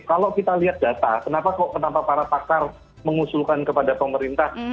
kalau kita lihat data kenapa kok kenapa para pakar mengusulkan kepada pemerintah